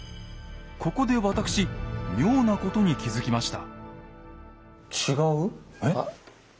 ここで私妙なことに気付きました。